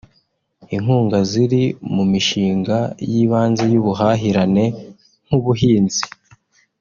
Inkunga ziri mu mishinga y’ibanze y’ ubuhahirane nk’ ubuhinzi